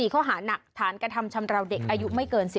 ข้อหานักฐานกระทำชำราวเด็กอายุไม่เกิน๑๕